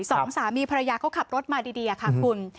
สองสามีภรรยาเขาขับรถมาดีค่ะคุณ